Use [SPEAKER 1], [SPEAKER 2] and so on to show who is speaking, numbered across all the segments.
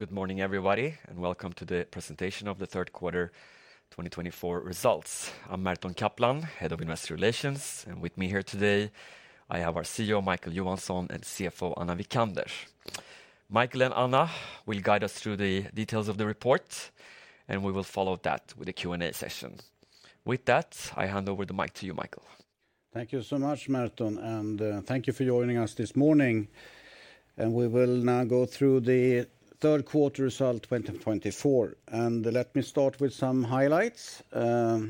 [SPEAKER 1] Good morning, everybody, and welcome to the presentation of the third quarter 2024 results. I'm Merton Kaplan, head of Investor Relations, and with me here today, I have our CEO, Micael Johansson, and CFO, Anna Wijkander. Micael and Anna will guide us through the details of the report, and we will follow that with a Q&A session. With that, I hand over the mic to you, Micael.
[SPEAKER 2] Thank you so much, Merton, and thank you for joining us this morning. We will now go through the third quarter result, 2024. Let me start with some highlights. I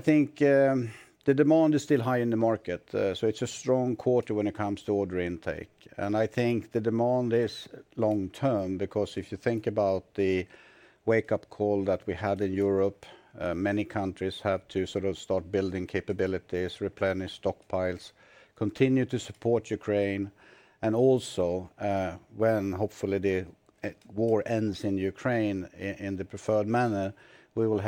[SPEAKER 2] think the demand is still high in the market, so it's a strong quarter when it comes to order intake. I think the demand is long term, because if you think about the wake-up call that we had in Europe, many countries have to sort of start building capabilities, replenish stockpiles, continue to support Ukraine, and also, when hopefully the war ends in Ukraine in the preferred manner, we will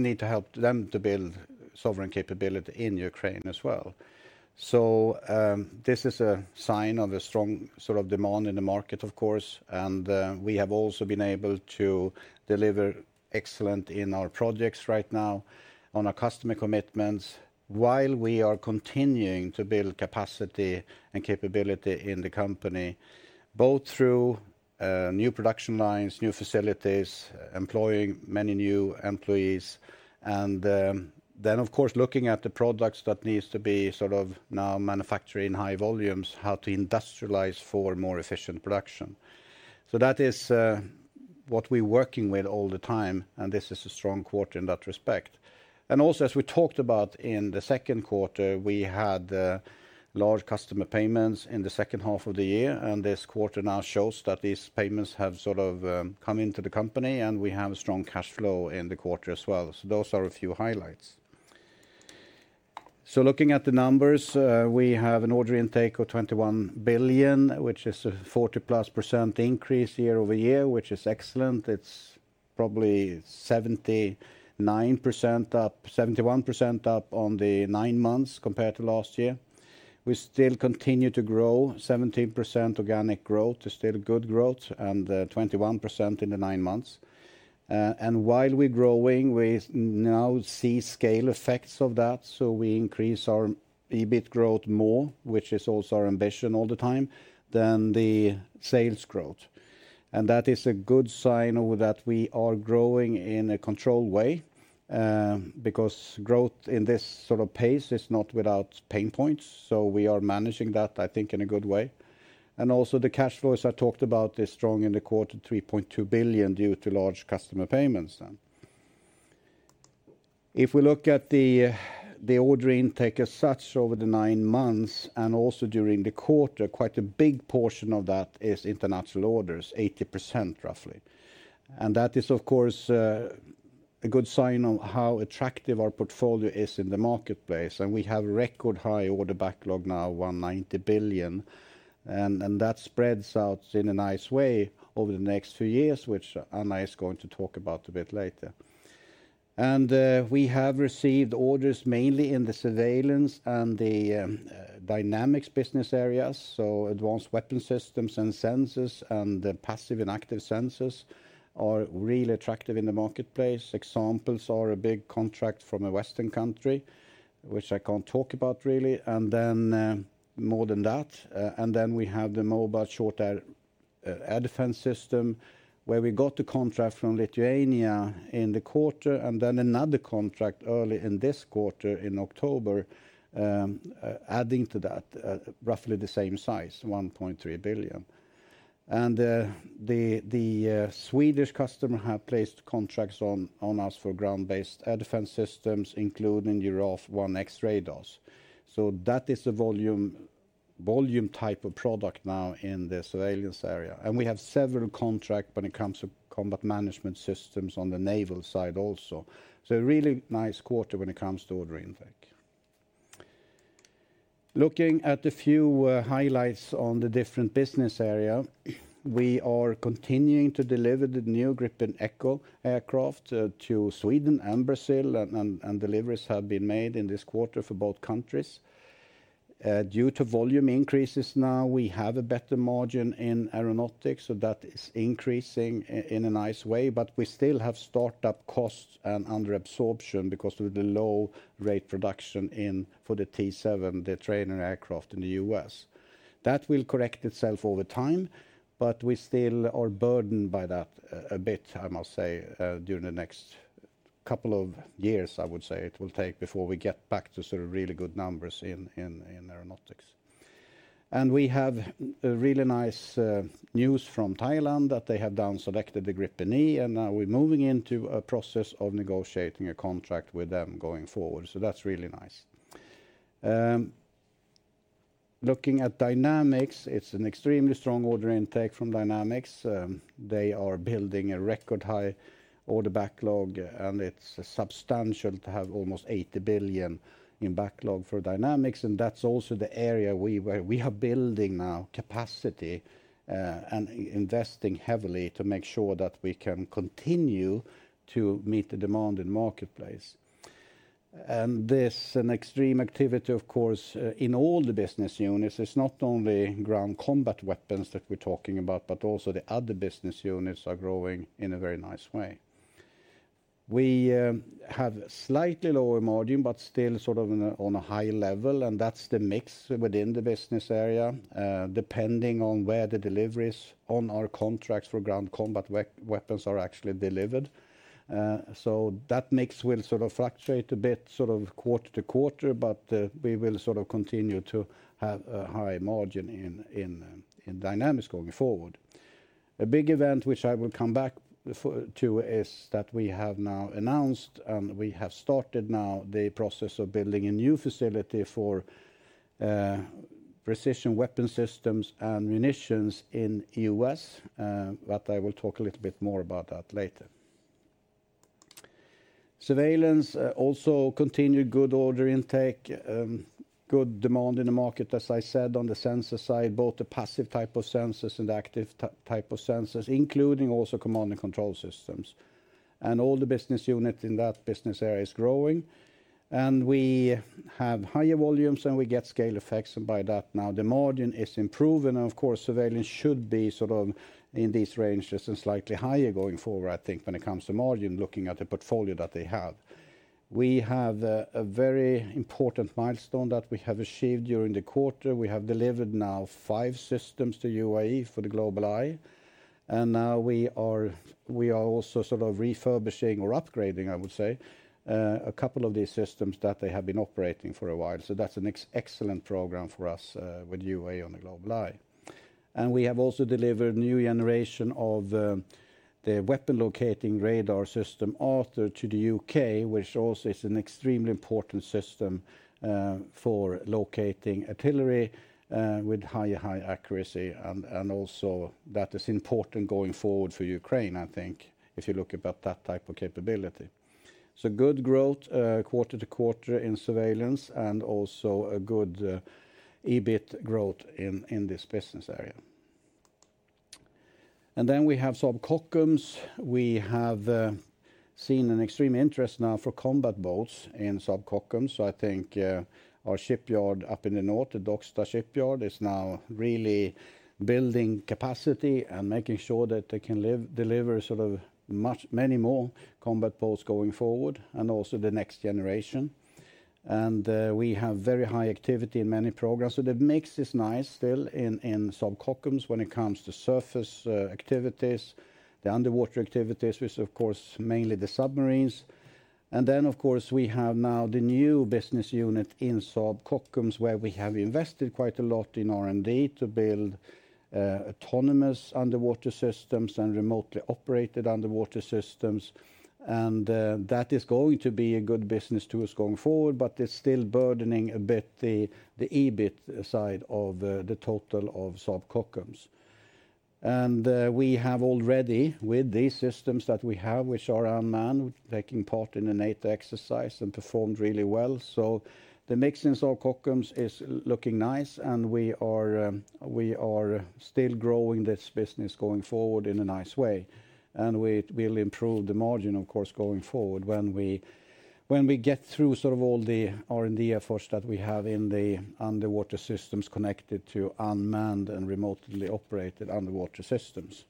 [SPEAKER 2] need to help them to build sovereign capability in Ukraine as well. This is a sign of a strong sort of demand in the market, of course, and we have also been able to deliver excellent in our projects right now on our customer commitments, while we are continuing to build capacity and capability in the company, both through new production lines, new facilities, employing many new employees, and then of course looking at the products that needs to be sort of now manufactured in high volumes, how to industrialize for more efficient production. That is what we're working with all the time, and this is a strong quarter in that respect. And also, as we talked about in the second quarter, we had large customer payments in the second half of the year, and this quarter now shows that these payments have sort of come into the company, and we have a strong cash flow in the quarter as well. So those are a few highlights. So looking at the numbers, we have an order intake of 21 billion, which is a 40+% increase year-over-year, which is excellent. It's probably 79% up, 71% up on the nine months compared to last year. We still continue to grow. 17% organic growth is still good growth, and 21% in the nine months. And while we're growing, we now see scale effects of that, so we increase our EBIT growth more, which is also our ambition all the time, than the sales growth. And that is a good sign of that we are growing in a controlled way, because growth in this sort of pace is not without pain points, so we are managing that, I think, in a good way. And also, the cash flows I talked about is strong in the quarter, 3.2 billion, due to large customer payments then. If we look at the order intake as such over the nine months and also during the quarter, quite a big portion of that is international orders, 80%, roughly. That is, of course, a good sign of how attractive our portfolio is in the marketplace, and we have record high order backlog now, 190 billion, and that spreads out in a nice way over the next few years, which Anna is going to talk about a bit later. We have received orders mainly in the Surveillance and the Dynamics business areas, so advanced weapon systems and sensors, and the passive and active sensors are really attractive in the marketplace. Examples are a big contract from a Western country, which I can't talk about, really, and then more than that. And then we have the mobile short-range air defense system, where we got the contract from Lithuania in the quarter, and then another contract early in this quarter, in October, adding to that, roughly the same size, 1.3 billion. And the Swedish customer have placed contracts on us for ground-based air defense systems, including the Giraffe 1X radars. So that is a volume type of product now in the Surveillance area. And we have several contract when it comes to combat management systems on the naval side also. So a really nice quarter when it comes to order intake. Looking at a few highlights on the different business area, we are continuing to deliver the new Gripen Echo aircraft to Sweden and Brazil, and deliveries have been made in this quarter for both countries. Due to volume increases now, we have a better margin in Aeronautics, so that is increasing in a nice way, but we still have start-up costs and under absorption because of the low rate production for the T-7, the trainer aircraft in the U.S. That will correct itself over time, but we still are burdened by that a bit, I must say, during the next couple of years, I would say, it will take before we get back to sort of really good numbers in Aeronautics. We have really nice news from Thailand, that they have now selected the Gripen E, and now we're moving into a process of negotiating a contract with them going forward. That's really nice. Looking at Dynamics, it's an extremely strong order intake from Dynamics. They are building a record high order backlog, and it's substantial to have almost 80 billion in backlog for Dynamics, and that's also the area where we are building now capacity and investing heavily to make sure that we can continue to meet the demand in the marketplace. And this is an extreme activity, of course, in all the business units. It's not only ground combat weapons that we're talking about, but also the other business units are growing in a very nice way. We have slightly lower margin, but still sort of on a high level, and that's the mix within the business area, depending on where the deliveries on our contracts for ground combat weapons are actually delivered. So that mix will sort of fluctuate a bit, sort of quarter to quarter, but we will sort of continue to have a high margin in Dynamics going forward. A big event which I will come back to is that we have now announced, and we have started now the process of building a new facility for precision weapon systems and munitions in U.S., but I will talk a little bit more about that later. Surveillance also continued good order intake, good demand in the market, as I said, on the sensor side, both the passive type of sensors and the active type of sensors, including also command and control systems, and all the business units in that business area is growing, and we have higher volumes, and we get scale effects, and by that now the margin is improving, and of course, Surveillance should be sort of in these ranges and slightly higher going forward, I think, when it comes to margin, looking at the portfolio that they have. We have a very important milestone that we have achieved during the quarter. We have delivered now five systems to UAE for the GlobalEye, and now we are also sort of refurbishing or upgrading, I would say, a couple of these systems that they have been operating for a while. So that's an excellent program for us with UAE on the GlobalEye. And we have also delivered new generation of the weapon locating radar system, Arthur, to the U.K., which also is an extremely important system for locating artillery with high accuracy, and also that is important going forward for Ukraine, I think, if you look about that type of capability. So good growth quarter to quarter in Surveillance and also a good EBIT growth in this business area. And then we have Saab Kockums. We have seen an extreme interest now for combat boats in Saab Kockums. So I think our shipyard up in the north, the Docksta Shipyard, is now really building capacity and making sure that they can deliver sort of many more combat boats going forward and also the next generation. And we have very high activity in many programs. So the mix is nice still in Saab Kockums when it comes to surface activities, the underwater activities, which of course mainly the submarines. And then, of course, we have now the new business unit in Saab Kockums, where we have invested quite a lot in R&D to build autonomous underwater systems and remotely operated underwater systems. That is going to be a good business to us going forward, but it's still burdening a bit the EBIT side of the total of Saab Kockums. We have already, with these systems that we have, which are unmanned, taking part in a NATO exercise and performed really well. So the mix in Saab Kockums is looking nice, and we are still growing this business going forward in a nice way. We'll improve the margin, of course, going forward when we get through sort of all the R&D efforts that we have in the Underwater Systems connected to unmanned and remotely operated Underwater Systems.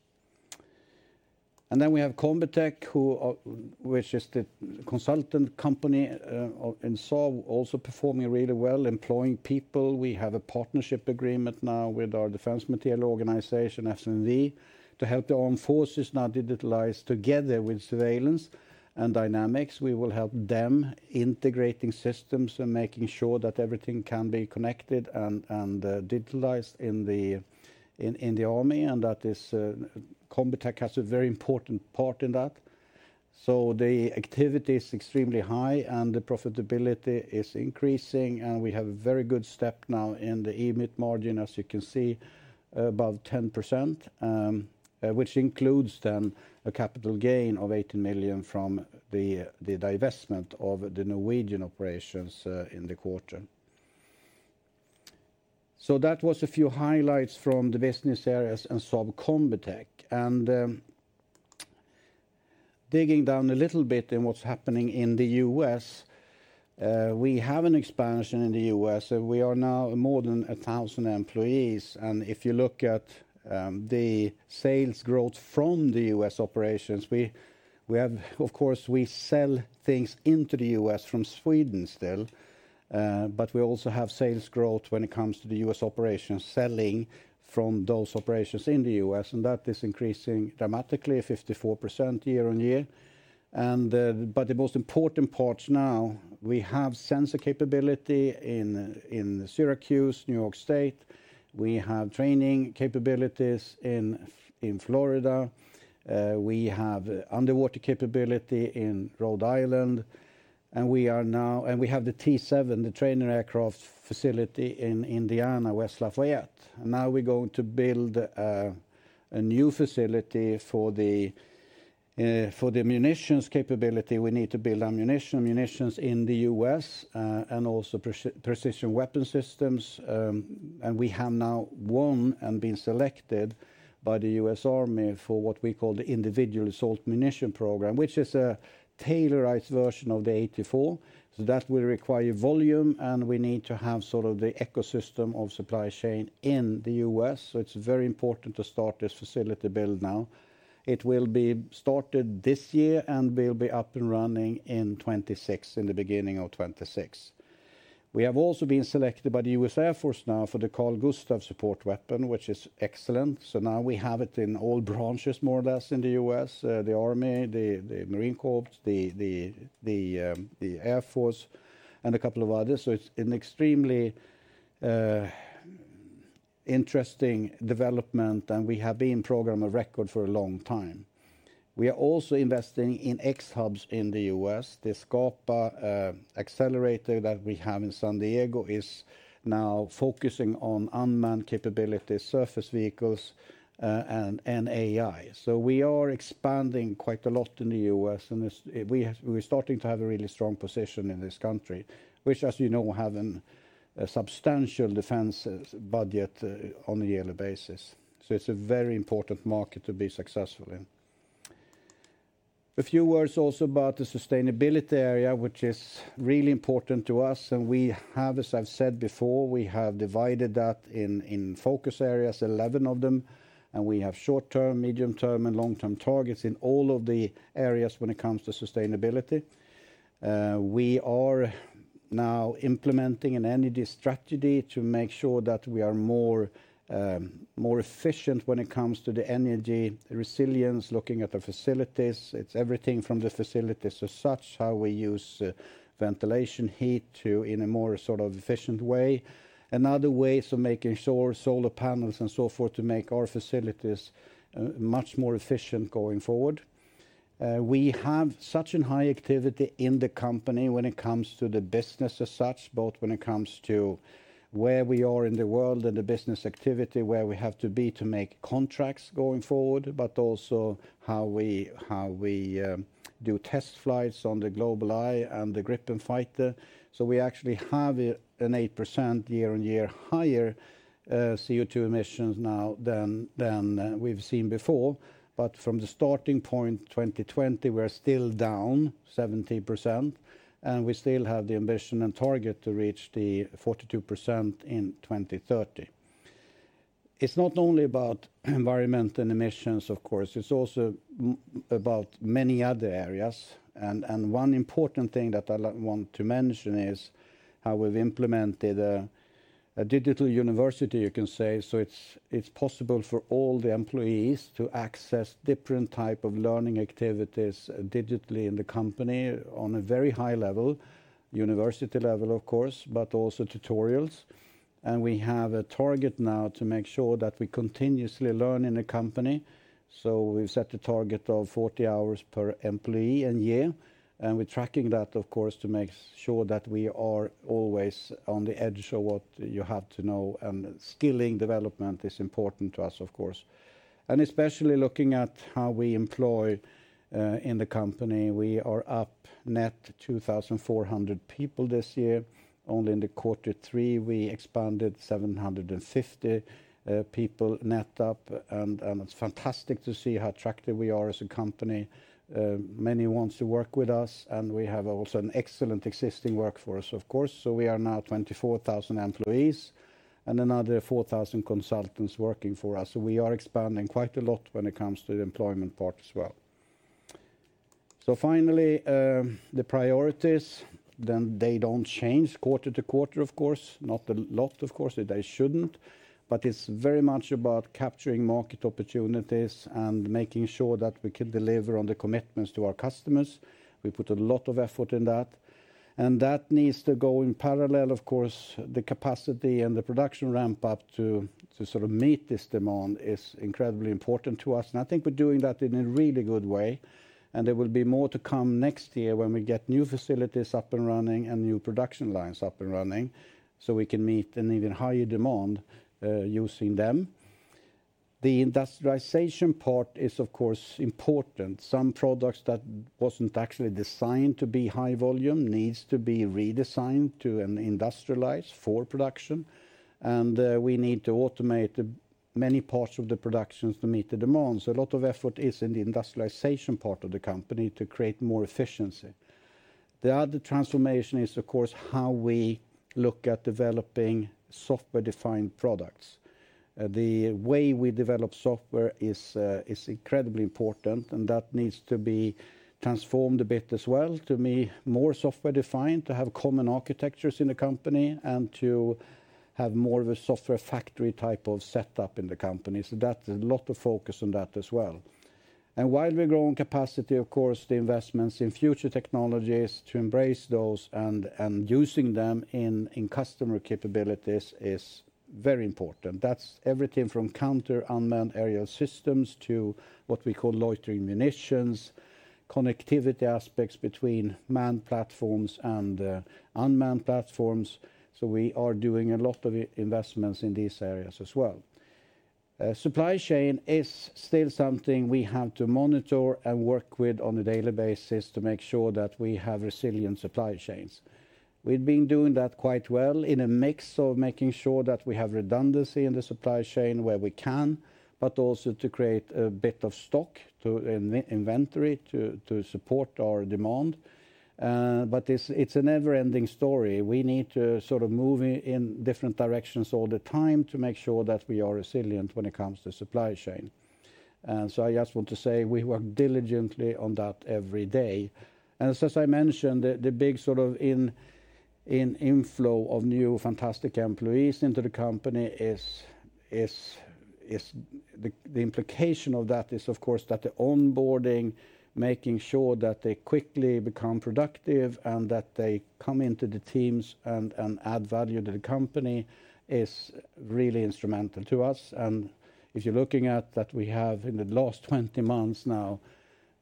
[SPEAKER 2] Then we have Combitech, which is the consultant company, and so also performing really well, employing people. We have a partnership agreement now with our defense materiel organization, FMV, to help the armed forces now digitalize together with Surveillance and Dynamics. We will help them integrating systems and making sure that everything can be connected and digitalized in the army, and that is Combitech has a very important part in that. So the activity is extremely high, and the profitability is increasing, and we have a very good step now in the EBIT margin, as you can see, above 10%, which includes then a capital gain of 18 million from the divestment of the Norwegian operations in the quarter. So that was a few highlights from the business areas and Saab Combitech. Digging down a little bit in what's happening in the U.S., we have an expansion in the U.S., and we are now more than 1,000 employees. If you look at the sales growth from the U.S. operations... Of course, we sell things into the U.S. from Sweden still, but we also have sales growth when it comes to the U.S. operations, selling from those operations in the U.S., and that is increasing dramatically, 54% year on year. But the most important parts now, we have sensor capability in Syracuse, New York State. We have training capabilities in Florida. We have underwater capability in Rhode Island, and we have the T-7, the trainer aircraft facility in Indiana, West Lafayette. Now we're going to build a new facility for the... For the munitions capability, we need to build ammunition, ammunitions in the U.S., and also precision weapon systems. And we have now won and been selected by the U.S. Army for what we call the Individual Assault Munition program, which is a tailored version of the AT4. So that will require volume, and we need to have sort of the ecosystem of supply chain in the U.S., so it's very important to start this facility build now. It will be started this year, and we'll be up and running in 2026, in the beginning of 2026. We have also been selected by the U.S. Air Force now for the Carl-Gustaf support weapon, which is excellent. So now we have it in all branches, more or less, in the U.S., the Army, the Marine Corps, the Air Force, and a couple of others. It's an extremely interesting development, and we have been program of record for a long time. We are also investing in X-Hubs in the U.S. The Skapa accelerator that we have in San Diego is now focusing on unmanned capability, surface vehicles, and AI. We are expanding quite a lot in the U.S., and we're starting to have a really strong position in this country, which, as you know, has a substantial defense budget on a yearly basis. It's a very important market to be successful in. A few words also about the sustainability area, which is really important to us, and we have, as I've said before, we have divided that in focus areas, 11 of them, and we have short-term, medium-term, and long-term targets in all of the areas when it comes to sustainability. We are now implementing an energy strategy to make sure that we are more efficient when it comes to the energy resilience, looking at the facilities. It's everything from the facilities as such, how we use ventilation, heat in a more sort of efficient way, and other ways of making sure solar panels and so forth to make our facilities much more efficient going forward. We have such a high activity in the company when it comes to the business as such, both when it comes to where we are in the world and the business activity, where we have to be to make contracts going forward, but also how we do test flights on the GlobalEye and the Gripen fighter. So we actually have an 8% year-on-year higher CO2 emissions now than we've seen before. But from the starting point, 2020, we're still down 17%, and we still have the ambition and target to reach the 42% in 2030. It's not only about environment and emissions, of course, it's also about many other areas. And one important thing that I want to mention is how we've implemented a digital university, you can say. It's possible for all the employees to access different type of learning activities digitally in the company on a very high level, university level, of course, but also tutorials. We have a target now to make sure that we continuously learn in the company, so we've set a target of 40 hours per employee a year, and we're tracking that, of course, to make sure that we are always on the edge of what you have to know, and skilling development is important to us, of course. Especially looking at how we employ in the company. We are up net 2,400 people this year. Only in the quarter three, we expanded 750 people net up, and it's fantastic to see how attractive we are as a company. Many wants to work with us, and we have also an excellent existing workforce, of course, so we are now 24,000 employees, and another 4,000 consultants working for us, so we are expanding quite a lot when it comes to the employment part as well, so finally, the priorities, then they don't change quarter to quarter, of course, not a lot, of course. They shouldn't, but it's very much about capturing market opportunities and making sure that we can deliver on the commitments to our customers. We put a lot of effort in that, and that needs to go in parallel, of course. The capacity and the production ramp up to sort of meet this demand is incredibly important to us, and I think we're doing that in a really good way. There will be more to come next year when we get new facilities up and running and new production lines up and running, so we can meet an even higher demand using them. The industrialization part is, of course, important. Some products that wasn't actually designed to be high volume needs to be redesigned to, and industrialized for production, and we need to automate the many parts of the productions to meet the demand. A lot of effort is in the industrialization part of the company to create more efficiency. The other transformation is, of course, how we look at developing software-defined products. The way we develop software is, is incredibly important, and that needs to be transformed a bit as well to be more software-defined, to have common architectures in the company, and to have more of a software factory type of setup in the company. So that's a lot of focus on that as well. And while we grow in capacity, of course, the investments in future technologies to embrace those and using them in customer capabilities is very important. That's everything from counter unmanned aerial systems to what we call loitering munitions connectivity aspects between manned platforms and unmanned platforms. So we are doing a lot of investments in these areas as well. Supply chain is still something we have to monitor and work with on a daily basis to make sure that we have resilient supply chains. We've been doing that quite well in a mix of making sure that we have redundancy in the supply chain where we can, but also to create a bit of stock to inventory to support our demand, but it's a never-ending story. We need to sort of move in different directions all the time to make sure that we are resilient when it comes to supply chain, and so I just want to say we work diligently on that every day, and as I mentioned, the big sort of inflow of new, fantastic employees into the company is. The implication of that is, of course, that the onboarding, making sure that they quickly become productive, and that they come into the teams, and add value to the company, is really instrumental to us. And if you're looking at that, we have, in the last 20 months now,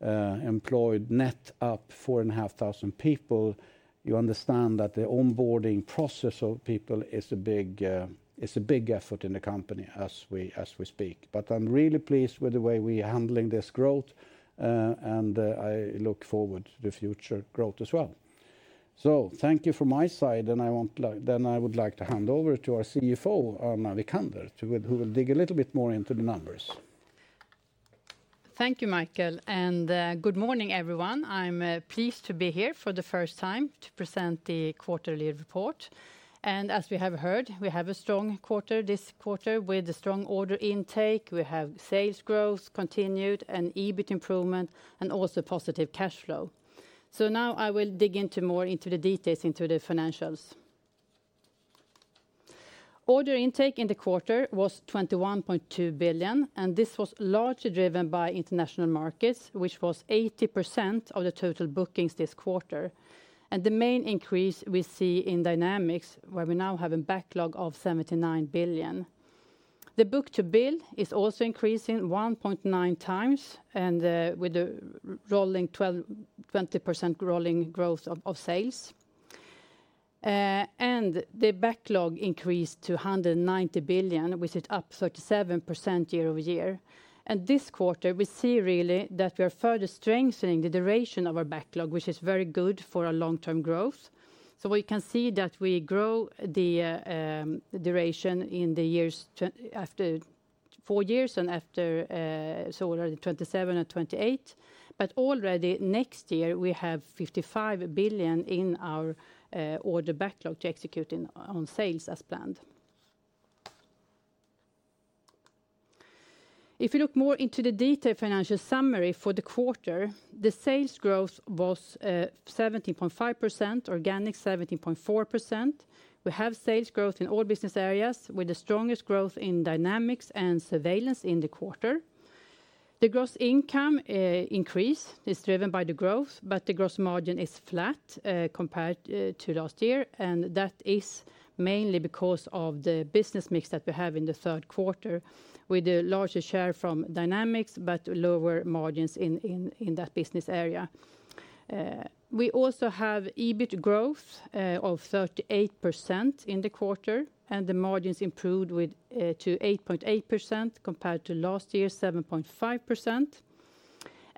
[SPEAKER 2] employed net up 4,500 people. You understand that the onboarding process of people is a big, is a big effort in the company as we, as we speak. But I'm really pleased with the way we are handling this growth, and, I look forward to the future growth as well. So thank you from my side, and then I would like to hand over to our CFO, Anna Wijkander, who will dig a little bit more into the numbers.
[SPEAKER 3] Thank you, Micael, and good morning, everyone. I'm pleased to be here for the first time to present the quarterly report, and as we have heard, we have a strong quarter this quarter with a strong order intake. We have sales growth continued, and EBIT improvement, and also positive cash flow, so now I will dig more into the details, into the financials. Order intake in the quarter was 21.2 billion, and this was largely driven by international markets, which was 80% of the total bookings this quarter, and the main increase we see in Dynamics, where we now have a backlog of 79 billion. The book-to-bill is also increasing 1.9 times, and with the rolling twelve 20% rolling growth of sales, and the backlog increased to 190 billion, which is up 37% year-over-year. And this quarter, we see really that we are further strengthening the duration of our backlog, which is very good for our long-term growth. So we can see that we grow the duration in the years after four years and after, so already 2027 and 2028. But already next year, we have 55 billion in our order backlog to execute in on sales as planned. If you look more into the detailed financial summary for the quarter, the sales growth was 17.5%, organic 17.4%. We have sales growth in all business areas, with the strongest growth in Dynamics and Surveillance in the quarter. The gross income increase is driven by the growth, but the gross margin is flat, compared to last year, and that is mainly because of the business mix that we have in the third quarter, with a larger share from Dynamics, but lower margins in that business area. We also have EBIT growth of 38% in the quarter, and the margins improved to 8.8%, compared to last year's 7.5%.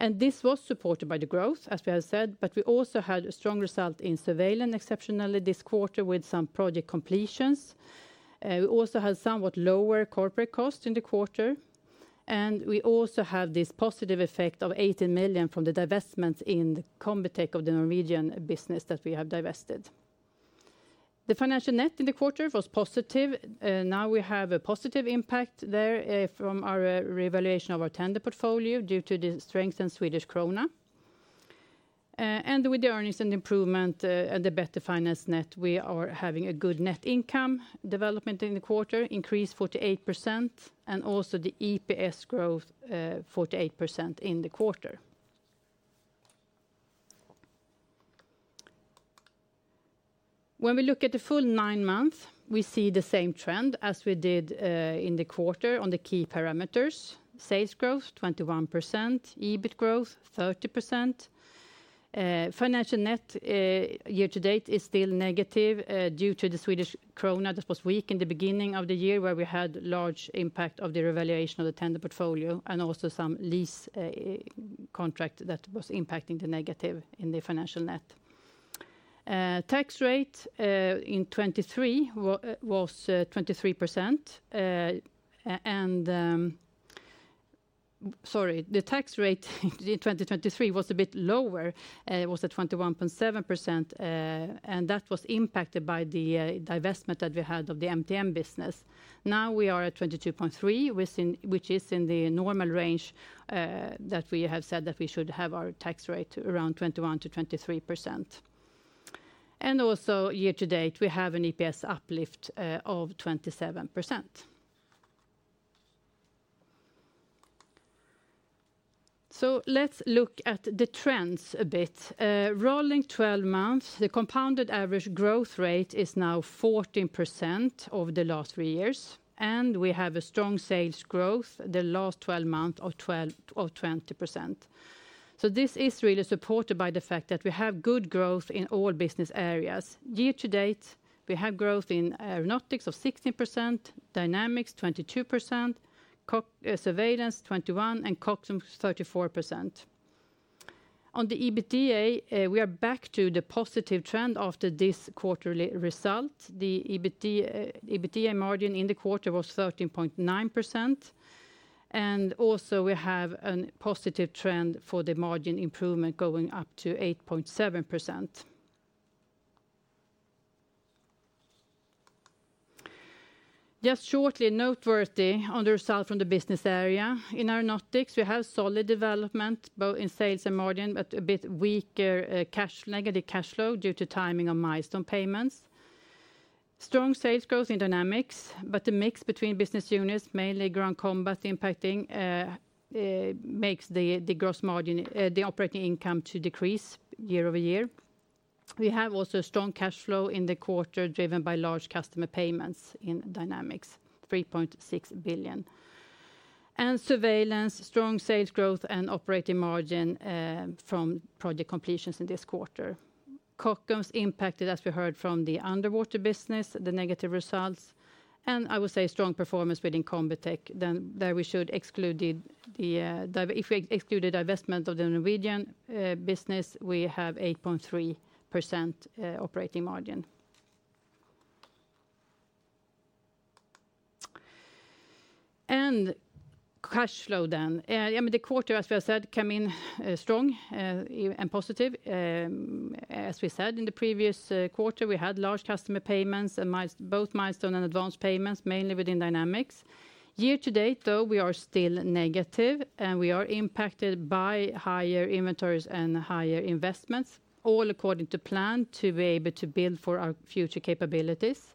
[SPEAKER 3] And this was supported by the growth, as we have said, but we also had a strong result in Surveillance, exceptionally this quarter, with some project completions. We also had somewhat lower corporate costs in the quarter, and we also have this positive effect of 18 million from the divestments in the Combitech of the Norwegian business that we have divested. The financial net in the quarter was positive. Now we have a positive impact there from our revaluation of our tender portfolio due to the strength in Swedish krona. And with the earnings and improvement and the better finance net, we are having a good net income development in the quarter, increased 48%, and also the EPS growth 48% in the quarter. When we look at the full nine months, we see the same trend as we did in the quarter on the key parameters. Sales growth 21%. EBIT growth 30%. Financial net year to date is still negative due to the Swedish krona that was weak in the beginning of the year, where we had large impact of the revaluation of the tender portfolio, and also some lease contract that was impacting the negative in the financial net. Tax rate in 2023 was 23%, and... Sorry, the tax rate in 2023 was a bit lower. It was at 21.7%, and that was impacted by the divestment that we had of the MTM business. Now we are at 22.3 which is in the normal range that we have said that we should have our tax rate around 21%-23%. And also, year to date, we have an EPS uplift of 27%. So let's look at the trends a bit. Rolling 12 months, the compounded average growth rate is now 14% over the last three years, and we have a strong sales growth the last 12 months of 20%. So this is really supported by the fact that we have good growth in all business areas. Year to date, we have growth in Aeronautics of 16%, Dynamics 22%, Surveillance 21%, and Kockums 34%. On the EBITDA, we are back to the positive trend after this quarterly result. The EBITDA margin in the quarter was 13.9%, and also we have a positive trend for the margin improvement going up to 8.7%. Just shortly, noteworthy on the result from the business area. In Aeronautics, we have solid development, both in sales and margin, but a bit weaker cash negative cash flow due to timing of milestone payments. Strong sales growth in Dynamics, but the mix between business units, mainly ground combat impacting makes the gross margin the operating income to decrease year-over-year. We have also strong cash flow in the quarter, driven by large customer payments in Dynamics, 3.6 billion, and Surveillance, strong sales growth and operating margin from project completions in this quarter. Kockums impacted, as we heard from the underwater business, the negative results, and I would say strong performance within Combitech. Then, if we exclude the divestment of the Norwegian business, we have 8.3% operating margin. And cash flow then. I mean, the quarter, as we have said, come in strong and positive. As we said, in the previous quarter, we had large customer payments and both milestone and advanced payments, mainly within Dynamics. Year to date, though, we are still negative, and we are impacted by higher inventories and higher investments, all according to plan to be able to build for our future capabilities.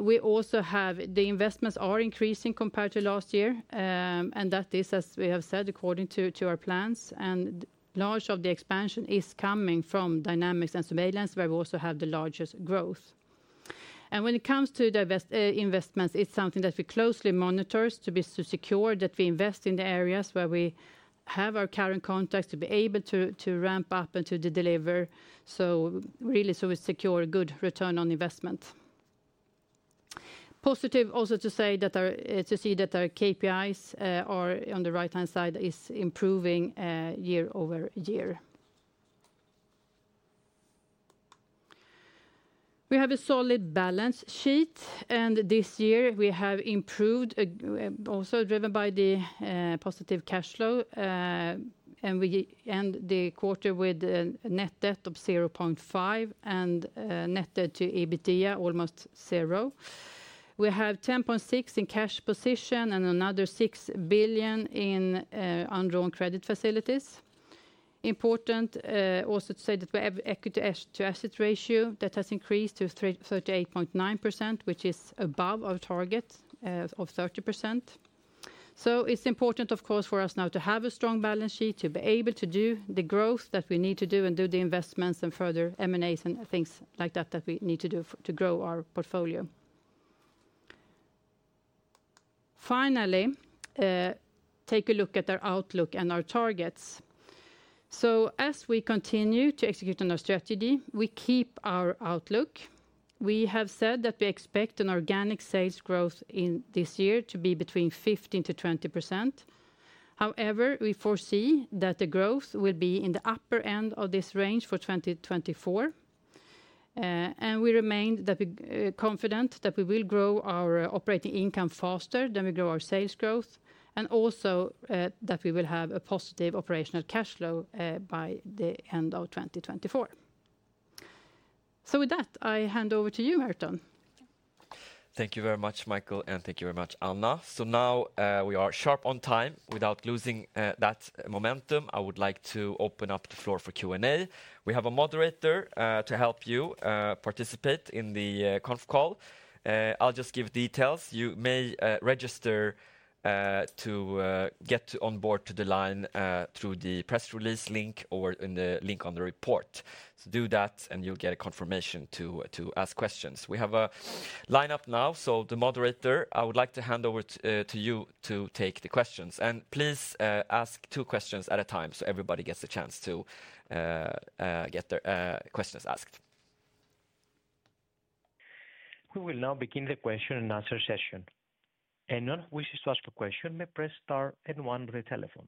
[SPEAKER 3] We also have the investments are increasing compared to last year, and that is, as we have said, according to our plans, and large of the expansion is coming from Dynamics and Surveillance, where we also have the largest growth. When it comes to the investments, it's something that we closely monitor to be secure, that we invest in the areas where we have our current contacts, to be able to ramp up and to deliver, so really, so we secure good return on investment. Positive also to say that our, to see that our KPIs are on the right-hand side, is improving year-over-year. We have a solid balance sheet, and this year we have improved, also driven by the positive cash flow, and we end the quarter with a net debt of 0.5 billion, and net debt to EBITDA almost zero. We have 10.6 billion in cash position and another 6 billion in undrawn credit facilities. Important, also, to say that we have equity to asset ratio that has increased to 38.9%, which is above our target of 30%. So it's important, of course, for us now to have a strong balance sheet, to be able to do the growth that we need to do and do the investments and further M&As and things like that, that we need to do to grow our portfolio. Finally, take a look at our outlook and our targets. As we continue to execute on our strategy, we keep our outlook. We have said that we expect an organic sales growth in this year to be between 15%-20%. However, we foresee that the growth will be in the upper end of this range for 2024, and we remain confident that we will grow our operating income faster than we grow our sales growth, and also, that we will have a positive operational cash flow, by the end of 2024. With that, I hand over to you, Merton.
[SPEAKER 1] Thank you very much, Micael, and thank you very much, Anna. So now, we are sharp on time. Without losing that momentum, I would like to open up the floor for Q&A. We have a moderator to help you participate in the conf call. I'll just give details. You may register to get on board to the line through the press release link or in the link on the report. So do that, and you'll get a confirmation to ask questions. We have a lineup now, so the moderator, I would like to hand over to you to take the questions. And please ask two questions at a time so everybody gets a chance to get their questions asked.
[SPEAKER 4] We will now begin the question and answer session. Anyone who wishes to ask a question may press star and one on their telephone.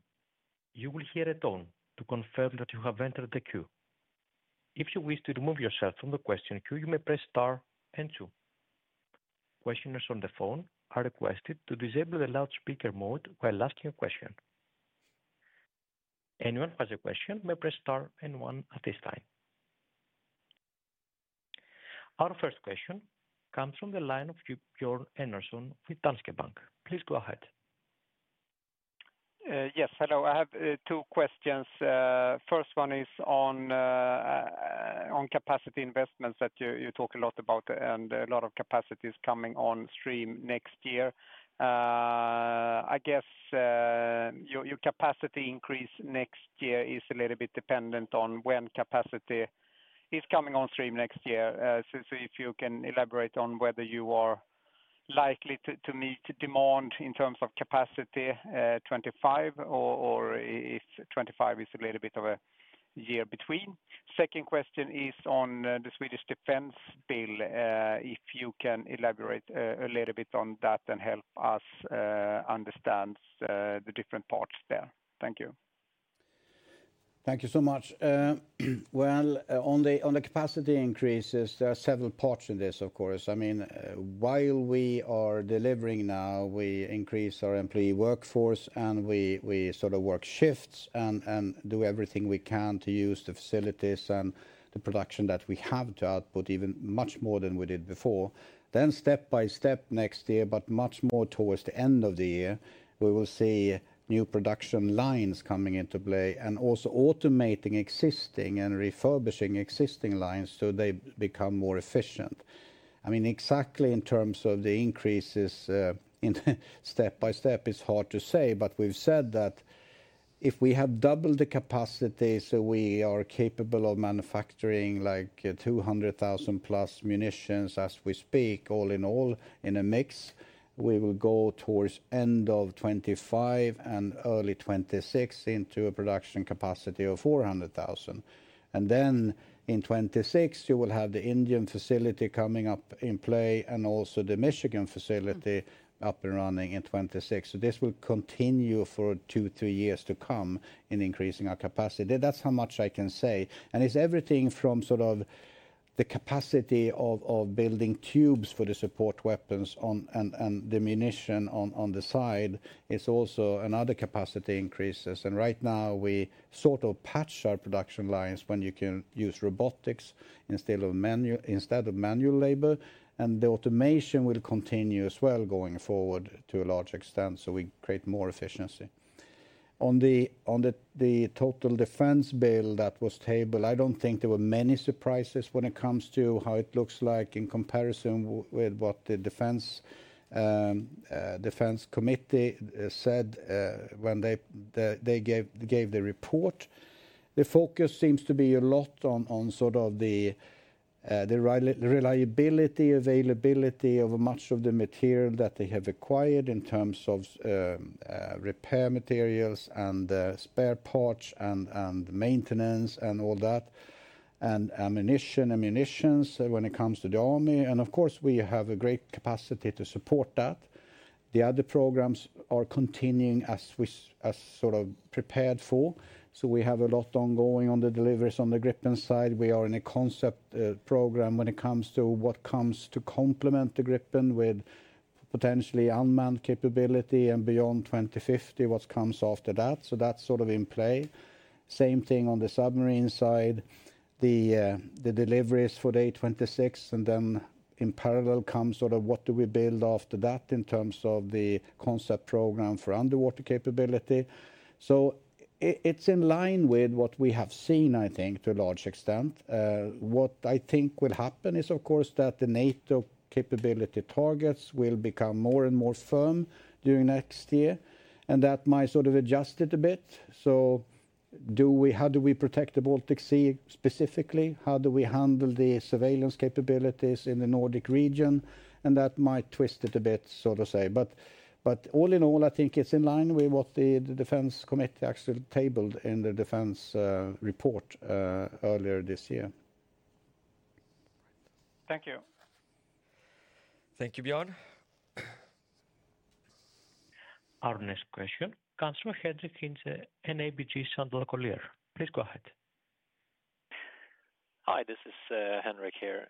[SPEAKER 4] You will hear a tone to confirm that you have entered the queue. If you wish to remove yourself from the question queue, you may press star and two. Questioners on the phone are requested to disable the loudspeaker mode while asking a question. Anyone who has a question may press star and one at this time. Our first question comes from the line of Björn Enarson with Danske Bank. Please go ahead.
[SPEAKER 5] Yes, hello. I have two questions. First one is on capacity investments that you talk a lot about, and a lot of capacity is coming on stream next year. I guess your capacity increase next year is a little bit dependent on when capacity is coming on stream next year. So if you can elaborate on whether you are likely to meet demand in terms of capacity 2025 or if 2025 is a little bit of a year between? Second question is on the Swedish defense bill. If you can elaborate a little bit on that and help us understand the different parts there. Thank you.
[SPEAKER 2] Thank you so much. On the capacity increases, there are several parts in this, of course. I mean, while we are delivering now, we increase our employee workforce, and we sort of work shifts and do everything we can to use the facilities and the production that we have to output even much more than we did before, then step by step next year, but much more towards the end of the year, we will see new production lines coming into play and also automating existing and refurbishing existing lines so they become more efficient. I mean, exactly in terms of the increases, in step by step, it's hard to say. But we've said that if we have double the capacity, so we are capable of manufacturing like 200,000-plus munitions as we speak, all in all, in a mix, we will go towards end of 2025 and early 2026 into a production capacity of 400,000. And then in 2026, you will have the Indian facility coming up in play and also the Michigan facility up and running in 2026. So this will continue for two, three years to come in increasing our capacity. That's how much I can say. And it's everything from sort of the capacity of building tubes for the support weapons on, and the ammunition on the side. It's also another capacity increases. Right now, we sort of patch our production lines when you can use robotics instead of manual labor, and the automation will continue as well going forward to a large extent, so we create more efficiency. On the total defense bill that was tabled, I don't think there were many surprises when it comes to how it looks like in comparison with what the defense committee said when they gave the report. The focus seems to be a lot on sort of the reliability, availability of much of the material that they have acquired in terms of repair materials and spare parts and maintenance and all that, and ammunition when it comes to the army. Of course, we have a great capacity to support that. The other programs are continuing as we, as sort of prepared for. So we have a lot ongoing on the deliveries. On the Gripen side, we are in a concept program when it comes to what comes to complement the Gripen with potentially unmanned capability and beyond 2050, what comes after that. So that's sort of in play. Same thing on the submarine side, the deliveries for the A26, and then in parallel comes sort of what do we build after that in terms of the concept program for underwater capability. So it's in line with what we have seen, I think, to a large extent. What I think will happen is, of course, that the NATO capability targets will become more and more firm during next year, and that might sort of adjust it a bit. So do we—how do we protect the Baltic Sea specifically? How do we handle the Surveillance capabilities in the Nordic region? And that might twist it a bit, so to say. But all in all, I think it's in line with what the defense committee actually tabled in the defense report earlier this year.
[SPEAKER 5] Thank you.
[SPEAKER 1] Thank you, Björn.
[SPEAKER 4] Our next question comes from Henric Hintze at ABG Sundal Collier. Please go ahead.
[SPEAKER 6] Hi, this is Henric here.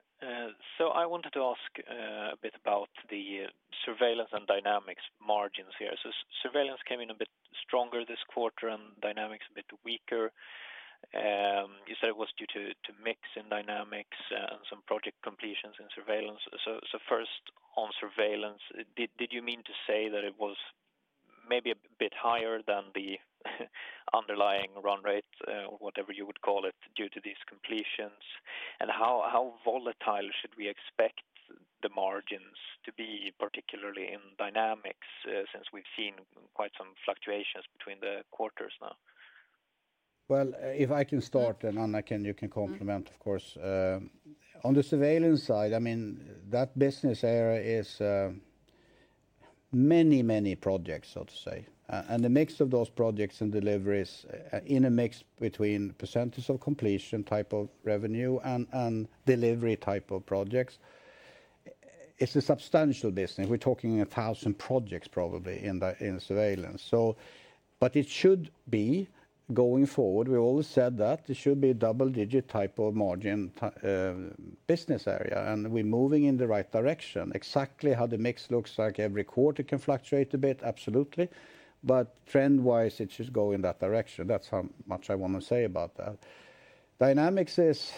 [SPEAKER 6] So I wanted to ask a bit about the Surveillance and Dynamics margins here. So Surveillance came in a bit stronger this quarter and Dynamics a bit weaker. You said it was due to mix in Dynamics and some project completions in Surveillance. So first, on Surveillance, did you mean to say that it was maybe a bit higher than the underlying run rate, whatever you would call it, due to these completions? And how volatile should we expect the margins to be, particularly in Dynamics, since we've seen quite some fluctuations between the quarters now?
[SPEAKER 2] If I can start, and Anna, you can comment, of course.
[SPEAKER 3] Mm-hmm. On the Surveillance side, I mean, that business area is many, many projects, so to say. And the mix of those projects and deliveries, in a mix between percentage of completion, type of revenue, and delivery type of projects, it's a substantial business. We're talking a thousand projects, probably, in Surveillance. So but it should be going forward. We've always said that it should be a double-digit type of margin business area, and we're moving in the right direction. Exactly how the mix looks like every quarter can fluctuate a bit, absolutely. But trend-wise, it should go in that direction. That's how much I want to say about that. Dynamics is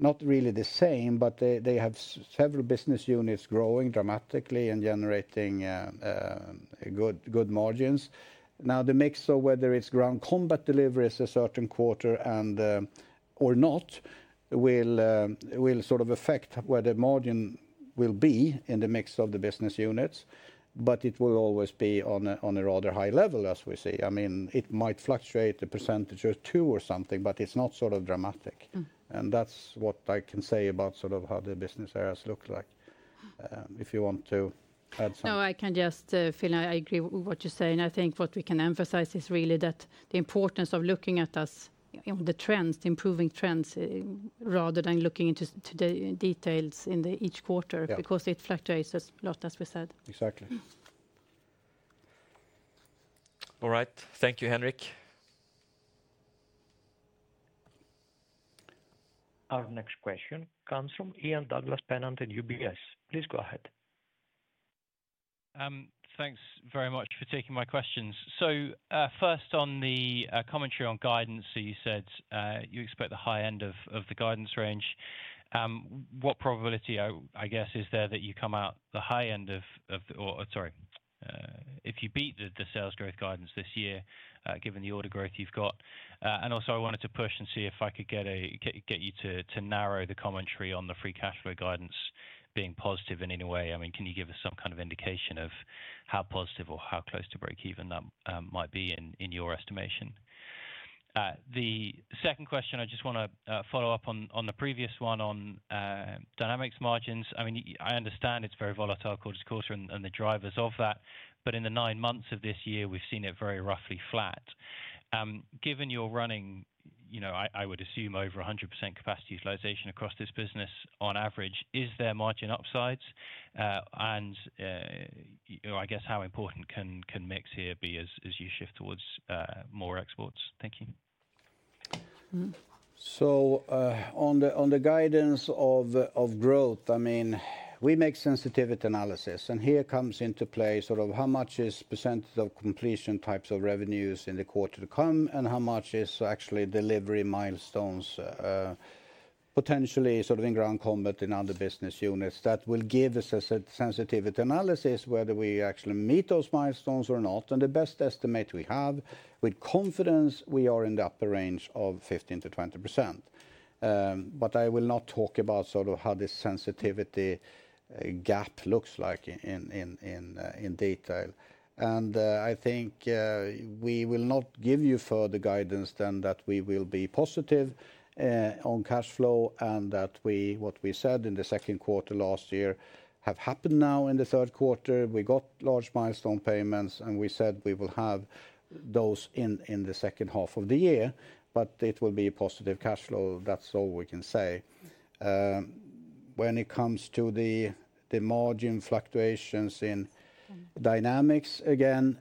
[SPEAKER 3] not really the same, but they have several business units growing dramatically and generating good, good margins. Now, the mix of whether it's ground combat delivery is a certain quarter and, or not, will sort of affect where the margin will be in the mix of the business units, but it will always be on a rather high level, as we see. I mean, it might fluctuate a percentage or two or something, but it's not sort of dramatic. Mm-hmm.
[SPEAKER 2] That's what I can say about sort of how the business areas look like... if you want to add some?
[SPEAKER 3] No, I can just fill in. I agree with what you're saying. I think what we can emphasize is really that the importance of looking at us, you know, the trends, the improving trends, rather than looking into the details in each quarter-
[SPEAKER 2] Yeah
[SPEAKER 3] -because it fluctuates a lot, as we said.
[SPEAKER 2] Exactly.
[SPEAKER 3] Mm.
[SPEAKER 1] All right. Thank you, Henric.
[SPEAKER 4] Our next question comes from Ian Douglas-Pennant in UBS. Please go ahead.
[SPEAKER 7] Thanks very much for taking my questions. So, first, on the commentary on guidance, so you said you expect the high end of the guidance range. What probability, I guess, is there that you come out the high end of the-- or sorry, if you beat the sales growth guidance this year, given the order growth you've got? And also, I wanted to push and see if I could get you to narrow the commentary on the free cash flow guidance being positive in any way. I mean, can you give us some kind of indication of how positive or how close to breakeven that might be in your estimation? The second question, I just wanna follow up on the previous one on Dynamics margins. I mean, I understand it's very volatile quarter to quarter and the drivers of that, but in the nine months of this year, we've seen it very roughly flat. Given you're running, you know, I would assume, over 100% capacity utilization across this business on average, is there margin upsides, and you know, I guess how important can mix here be as you shift towards more exports? Thank you.
[SPEAKER 3] Mm.
[SPEAKER 2] On the guidance of growth, I mean, we make sensitivity analysis, and here comes into play sort of how much is percentage of completion types of revenues in the quarter to come, and how much is actually delivery milestones, potentially sort of in ground combat in other business units. That will give us a sensitivity analysis, whether we actually meet those milestones or not, and the best estimate we have, with confidence, we are in the upper range of 15%-20%, but I will not talk about sort of how this sensitivity gap looks like in detail. I think we will not give you further guidance than that we will be positive on cash flow, and that what we said in the second quarter last year have happened now in the third quarter. We got large milestone payments, and we said we will have those in the second half of the year, but it will be positive cash flow. That's all we can say. When it comes to the margin fluctuations in Dynamics, again,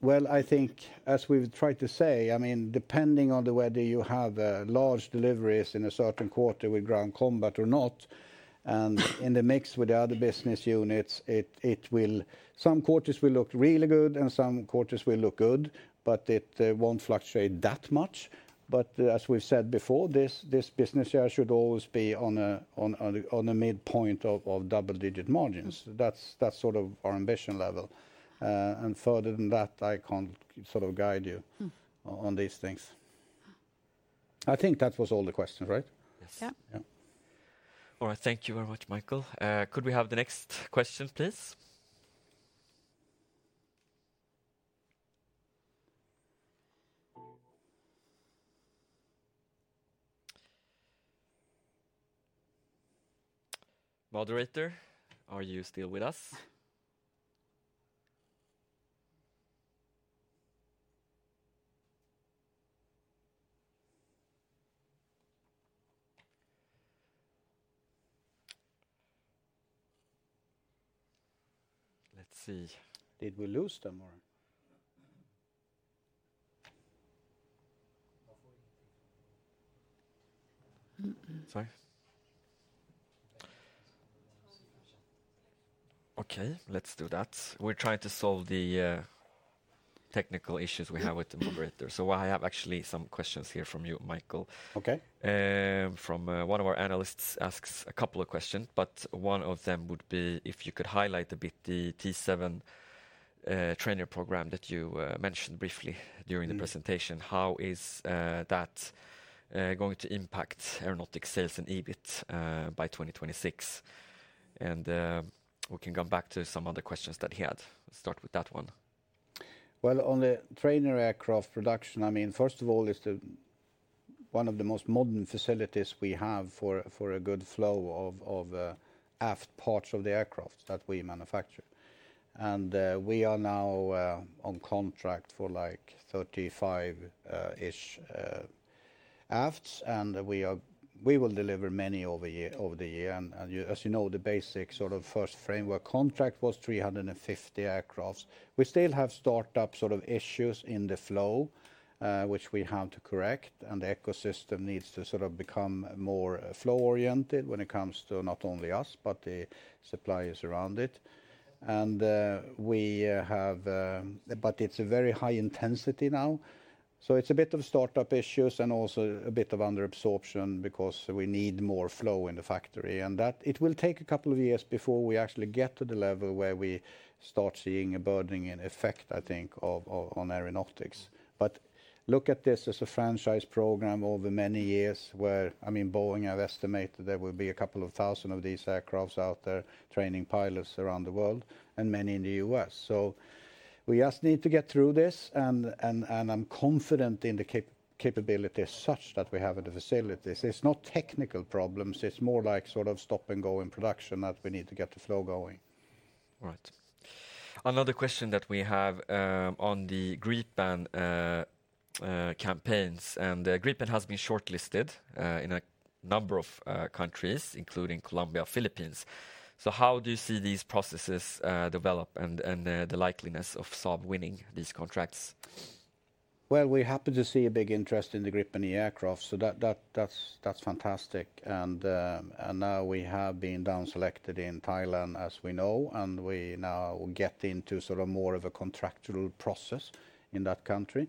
[SPEAKER 2] well, I think as we've tried to say, I mean, depending on whether you have large deliveries in a certain quarter with ground combat or not, and in the mix with the other business units, it will. Some quarters will look really good, and some quarters will look good, but it won't fluctuate that much. But as we've said before, this business here should always be on a midpoint of double-digit margins.
[SPEAKER 3] Mm.
[SPEAKER 2] That's sort of our ambition level, and further than that, I can't sort of guide you-
[SPEAKER 3] Mm...
[SPEAKER 2] on these things. I think that was all the questions, right?
[SPEAKER 3] Yeah.
[SPEAKER 2] Yeah.
[SPEAKER 1] All right. Thank you very much, Micael. Could we have the next question, please? Moderator, are you still with us? Let's see.
[SPEAKER 2] Did we lose them or...
[SPEAKER 1] Sorry. Okay, let's do that. We're trying to solve the technical issues we have with the moderator. So I have actually some questions here from you, Micael.
[SPEAKER 2] Okay.
[SPEAKER 1] From one of our analysts asks a couple of questions, but one of them would be if you could highlight a bit the T-7 trainer program that you mentioned briefly during the presentation. How is that going to impact Aeronautics sales and EBIT by 2026? And we can come back to some other questions that he had. Let's start with that one.
[SPEAKER 2] On the trainer aircraft production, I mean, first of all, it's one of the most modern facilities we have for a good flow of aft parts of the aircraft that we manufacture. We are now on contract for, like, 35-ish afts, and we will deliver many over the year. As you know, the basic sort of first framework contract was 350 aircrafts. We still have start up sort of issues in the flow, which we have to correct, and the ecosystem needs to sort of become more flow-oriented when it comes to not only us, but the suppliers around it. We have... But it's a very high intensity now, so it's a bit of start-up issues and also a bit of under absorption because we need more flow in the factory, and that it will take a couple of years before we actually get to the level where we start seeing a burdening effect, I think, on Aeronautics. But look at this as a franchise program over many years, where, I mean, Boeing has estimated there will be a couple of thousand of these aircraft out there training pilots around the world and many in the U.S. So we just need to get through this, and I'm confident in the capability as such that we have at the facilities. It's not technical problems. It's more like sort of stop-and-go in production, that we need to get the flow going.
[SPEAKER 1] All right.... Another question that we have on the Gripen campaigns, and Gripen has been shortlisted in a number of countries, including Colombia, Philippines. So how do you see these processes develop and the likelihood of Saab winning these contracts?
[SPEAKER 2] We're happy to see a big interest in the Gripen E aircraft, so that's fantastic. And now we have been down selected in Thailand, as we know, and we now get into sort of more of a contractual process in that country.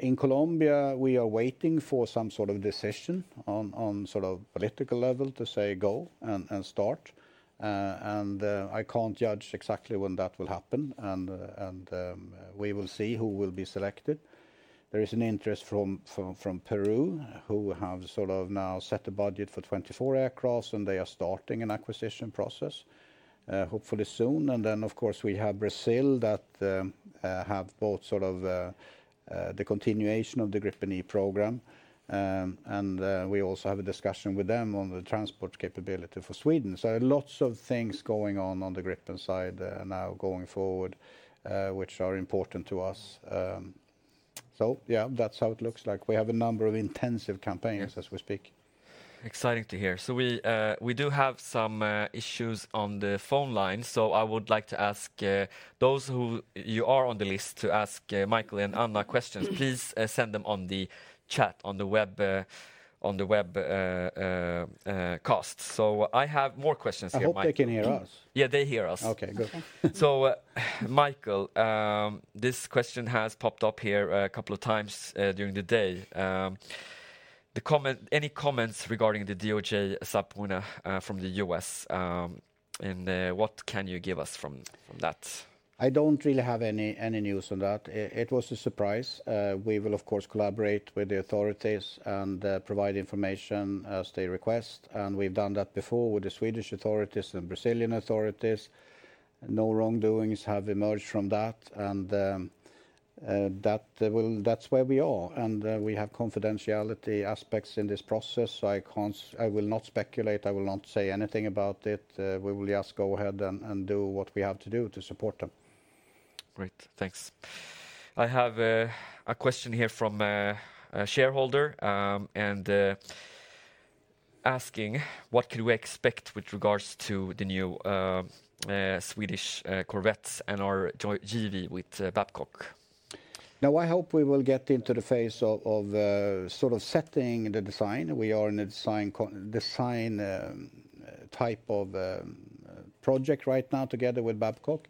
[SPEAKER 2] In Colombia, we are waiting for some sort of decision on sort of political level to say go and start. I can't judge exactly when that will happen, and we will see who will be selected. There is an interest from Peru, who have sort of now set a budget for 24 aircraft, and they are starting an acquisition process, hopefully soon. And then, of course, we have Brazil that have both sort of the continuation of the Gripen E program. And we also have a discussion with them on the transport capability for Sweden. So lots of things going on on the Gripen side, now going forward, which are important to us. So yeah, that's how it looks like. We have a number of intensive campaigns as we speak.
[SPEAKER 1] Exciting to hear. So we do have some issues on the phone line, so I would like to ask those who you are on the list to ask Micael and Anna questions, please send them on the chat, on the webcast. So I have more questions here, Micael.
[SPEAKER 2] I hope they can hear us.
[SPEAKER 1] Yeah, they hear us.
[SPEAKER 2] Okay, good.
[SPEAKER 1] Micael, this question has popped up here a couple of times during the day. Any comments regarding the DOJ subpoena from the U.S., and what can you give us from that?
[SPEAKER 2] I don't really have any news on that. It was a surprise. We will of course collaborate with the authorities and provide information as they request, and we've done that before with the Swedish authorities and Brazilian authorities. No wrongdoings have emerged from that, and that's where we are. We have confidentiality aspects in this process, so I will not speculate, I will not say anything about it. We will just go ahead and do what we have to do to support them.
[SPEAKER 1] Great, thanks. I have a question here from a shareholder, and asking: What can we expect with regards to the new Swedish corvettes and our joint JV with Babcock?
[SPEAKER 2] Now, I hope we will get into the phase of sort of setting the design. We are in a design type of project right now together with Babcock,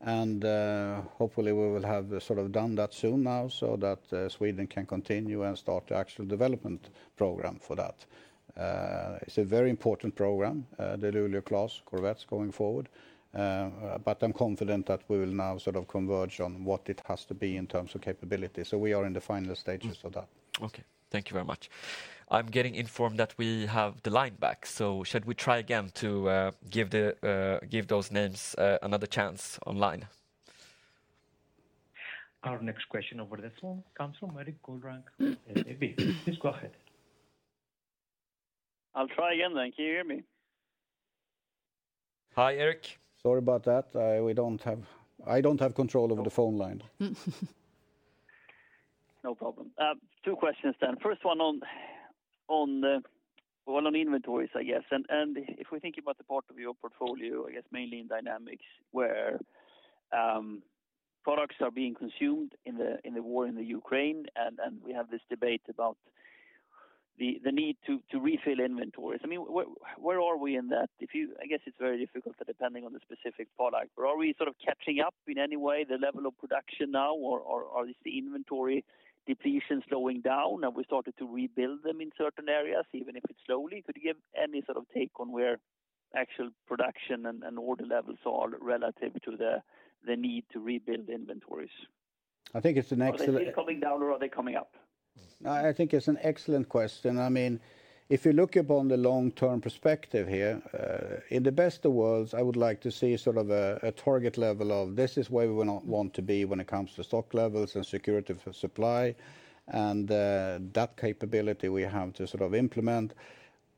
[SPEAKER 2] and hopefully we will have sort of done that soon now, so that Sweden can continue and start the actual development program for that. It's a very important program, the Luleå-class corvettes going forward, but I'm confident that we will now sort of converge on what it has to be in terms of capability. So we are in the final stages of that.
[SPEAKER 1] Mm-hmm. Okay, thank you very much. I'm getting informed that we have the line back, so should we try again to give those names another chance online?
[SPEAKER 4] Our next question over the phone comes from Erik Golrang at SEB. Please go ahead.
[SPEAKER 8] I'll try again then. Can you hear me?
[SPEAKER 1] Hi, Erik.
[SPEAKER 2] Sorry about that. I don't have control over the phone line.
[SPEAKER 8] No problem. Two questions then. First one on, on, well, on inventories, I guess, and, and if we think about the part of your portfolio, I guess mainly in Dynamics, where, products are being consumed in the, in the war in the Ukraine, and, and we have this debate about the, the need to, to refill inventories. I mean, where, where are we in that? If you-- I guess it's very difficult, but depending on the specific product, but are we sort of catching up in any way, the level of production now, or, or, or is the inventory depletion slowing down, and we started to rebuild them in certain areas, even if it's slowly? Could you give any sort of take on where actual production and, and order levels are relative to the, the need to rebuild inventories?
[SPEAKER 2] I think it's an excellent-
[SPEAKER 8] Are they still coming down, or are they coming up?
[SPEAKER 2] I think it's an excellent question. I mean, if you look upon the long-term perspective here, in the best of worlds, I would like to see sort of a target level of this is where we want to be when it comes to stock levels and security for supply, and that capability we have to sort of implement.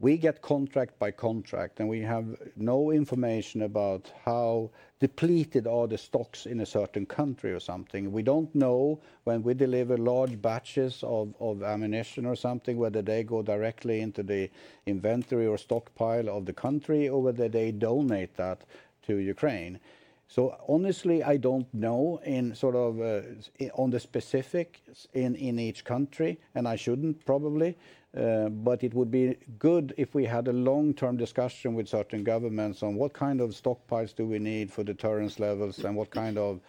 [SPEAKER 2] We get contract by contract, and we have no information about how depleted are the stocks in a certain country or something. We don't know when we deliver large batches of ammunition or something, whether they go directly into the inventory or stockpile of the country, or whether they donate that to Ukraine. Honestly, I don't know in sort of on the specifics in each country, and I shouldn't probably, but it would be good if we had a long-term discussion with certain governments on what kind of stockpiles do we need for deterrence levels, and what kind of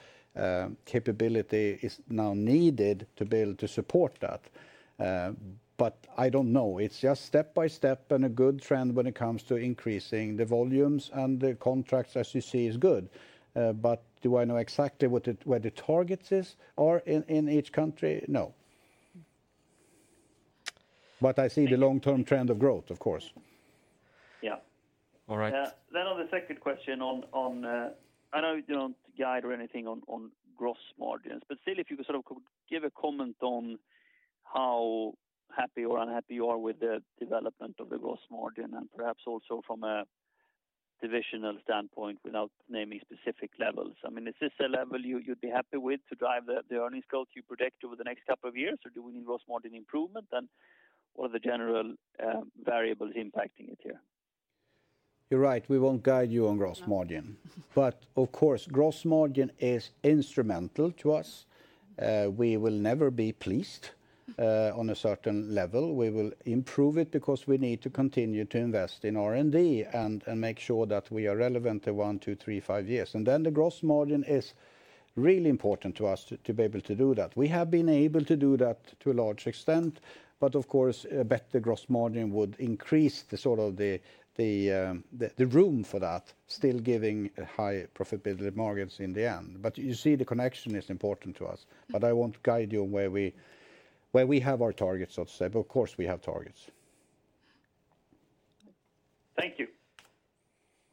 [SPEAKER 2] capability is now needed to be able to support that. But I don't know. It's just step by step and a good trend when it comes to increasing the volumes, and the contracts, as you see, is good. But do I know exactly what the, where the targets is or in each country? No. But I see the long-term trend of growth, of course.
[SPEAKER 8] Yeah.
[SPEAKER 1] All right.
[SPEAKER 8] Then on the second question, I know you don't guide or anything on gross margins, but still, if you could sort of give a comment on-... how happy or unhappy you are with the development of the gross margin, and perhaps also from a divisional standpoint, without naming specific levels? I mean, is this a level you you'd be happy with to drive the earnings growth you predict over the next couple of years, or do we need gross margin improvement, and what are the general variables impacting it here?
[SPEAKER 2] You're right, we won't guide you on gross margin, but of course, gross margin is instrumental to us. We will never be pleased on a certain level. We will improve it because we need to continue to invest in R&D and make sure that we are relevant to one, two, three, five years, and then the gross margin is really important to us to be able to do that. We have been able to do that to a large extent, but of course, a better gross margin would increase the sort of room for that, still giving high profitability margins in the end, but you see, the connection is important to us, but I won't guide you on where we have our targets, so to say, but of course, we have targets.
[SPEAKER 8] Thank you.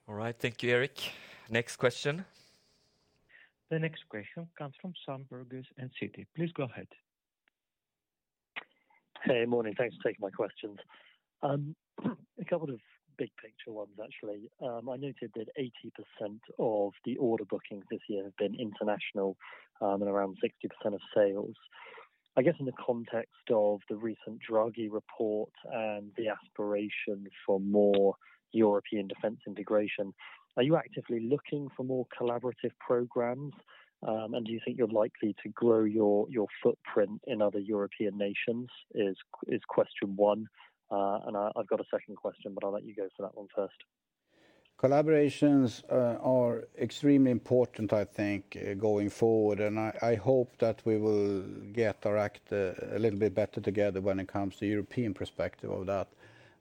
[SPEAKER 1] All right. Thank you, Erik. Next question.
[SPEAKER 4] The next question comes from Sam Burgess at Citi. Please go ahead.
[SPEAKER 9] Hey, morning. Thanks for taking my questions. A couple of big picture ones, actually. I noted that 80% of the order bookings this year have been international, and around 60% of sales. I guess, in the context of the recent Draghi report and the aspirations for more European defense integration, are you actively looking for more collaborative programs? And do you think you're likely to grow your footprint in other European nations? Is question one. And I've got a second question, but I'll let you go for that one first.
[SPEAKER 2] Collaborations are extremely important, I think, going forward, and I hope that we will get our act together a little bit better when it comes to European perspective of that,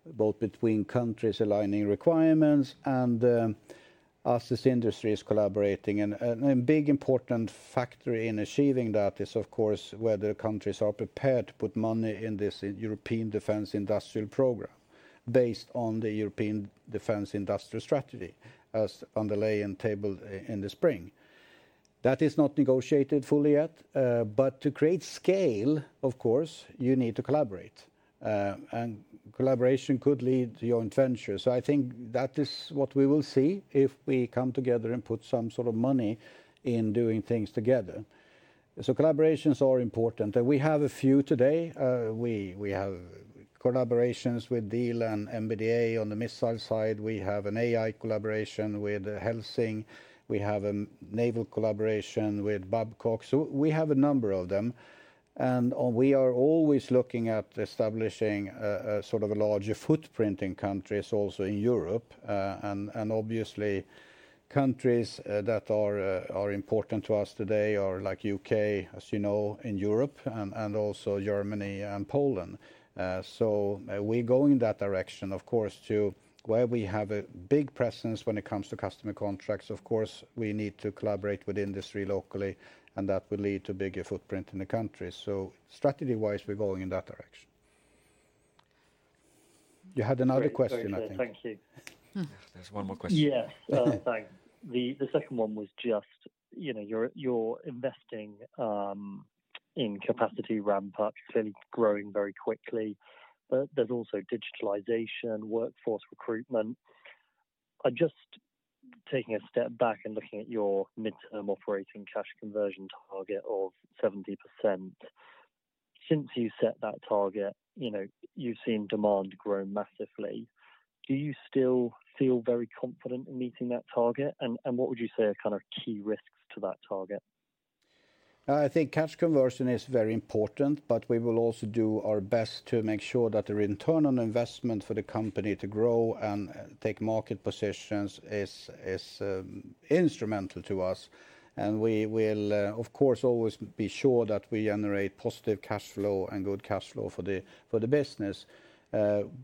[SPEAKER 2] both between countries aligning requirements and us as industries collaborating. A big important factor in achieving that is, of course, whether countries are prepared to put money in this European Defence Industrial Programme based on the European Defence Industrial Strategy, as underlying and tabled in the spring. That is not negotiated fully yet, but to create scale, of course, you need to collaborate, and collaboration could lead to joint venture. I think that is what we will see if we come together and put some sort of money in doing things together, so collaborations are important, and we have a few today. We have collaborations with Diehl and MBDA on the missile side. We have an AI collaboration with Helsing. We have a naval collaboration with Babcock, so we have a number of them, and we are always looking at establishing a sort of larger footprint in countries, also in Europe, and obviously, countries that are important to us today are like U.K., as you know, in Europe, and also Germany and Poland, so we're going in that direction, of course, to where we have a big presence when it comes to customer contracts. Of course, we need to collaborate with industry locally, and that will lead to bigger footprint in the country, so strategy-wise, we're going in that direction. You had another question, I think.
[SPEAKER 9] Thank you.
[SPEAKER 1] There's one more question.
[SPEAKER 9] Yes. Thanks. The second one was just, you know, you're investing in capacity ramp-up, clearly growing very quickly, but there's also digitalization, workforce recruitment. I'm just taking a step back and looking at your midterm operating cash conversion target of 70%. Since you set that target, you know, you've seen demand grow massively. Do you still feel very confident in meeting that target? And what would you say are kind of key risks to that target?
[SPEAKER 2] I think cash conversion is very important, but we will also do our best to make sure that the return on investment for the company to grow and take market positions is instrumental to us, and we will, of course, always be sure that we generate positive cash flow and good cash flow for the business,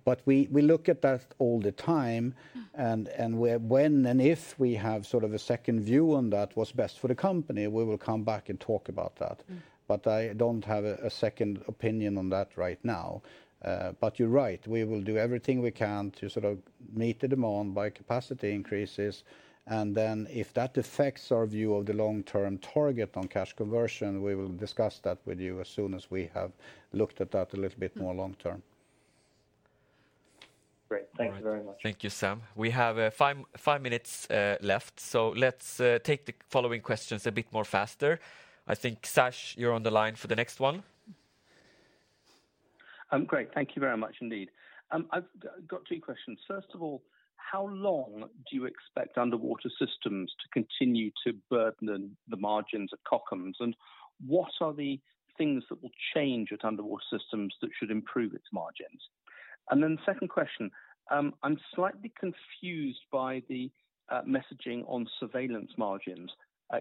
[SPEAKER 2] but we look at that all the time, and when and if we have sort of a second view on what's best for the company, we will come back and talk about that.
[SPEAKER 3] Mm.
[SPEAKER 2] But I don't have a second opinion on that right now. But you're right, we will do everything we can to sort of meet the demand by capacity increases, and then if that affects our view of the long-term target on cash conversion, we will discuss that with you as soon as we have looked at that a little bit more long term.
[SPEAKER 9] Great. Thank you very much.
[SPEAKER 1] Thank you, Sam. We have five minutes left, so let's take the following questions a bit more faster. I think, Sash, you're on the line for the next one.
[SPEAKER 10] Great. Thank you very much indeed. I've got two questions. First of all, how long do you expect Underwater Systems to continue to burden the margins of Kockums, and what are the things that will change at Underwater Systems that should improve its margins? And then the second question, I'm slightly confused by the messaging on Surveillance margins.